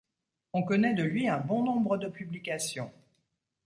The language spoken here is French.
On connaît de lui un bon nombre de publications.